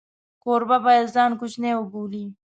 کوربه باید ځان کوچنی وبولي.